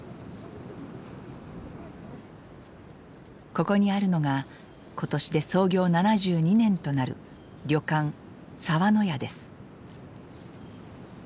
ここにあるのが今年で創業７２年となる旅館澤の屋です。